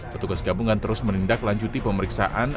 petugas gabungan terus menindak lanjuti pemeriksaan